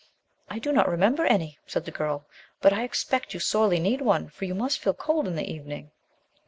"I do not remember any," said the girl, "but I expect you sorely need one for you must feel cold in the evening."